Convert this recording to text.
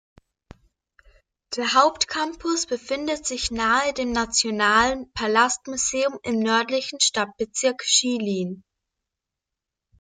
Der Hauptcampus befindet sich nahe dem Nationalen Palastmuseum im nördlichen Stadtbezirk Shilin.